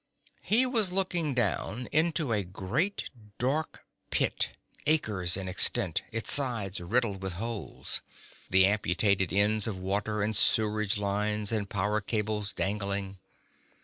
He was looking down into a great dark pit, acres in extent, its sides riddled with holes, the amputated ends of water and sewage lines and power cables dangling.